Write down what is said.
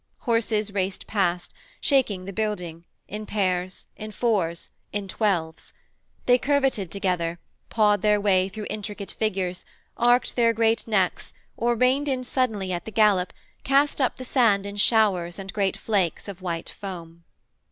Horses raced past, shaking the building, in pairs, in fours, in twelves. They curvetted together, pawed their way through intricate figures, arched their great necks, or, reined in suddenly at the gallop, cast up the sand in showers and great flakes of white foam.